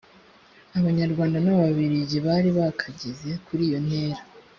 abanyarwanda n ababirigi bari bakageze kuri iyo ntera